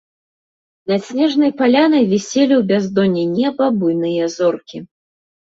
Над снежнай палянай віселі ў бяздонні неба буйныя зоркі.